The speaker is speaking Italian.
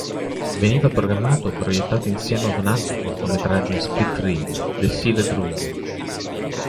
Veniva programmato proiettato insieme a un altro cortometraggio in split reel, "The Sealed Room".